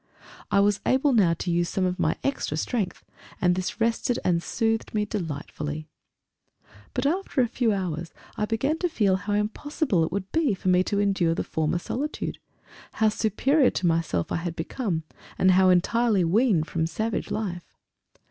I was able now to use some of my extra strength, and this rested and soothed me delightfully.... But after a few hours I began to feel how impossible it would be for me to endure the former solitude how superior to myself I had become; and how entirely weaned from savage life.